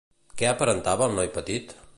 Què aparentava el noi petit?